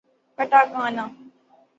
katakana